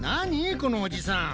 このおじさん。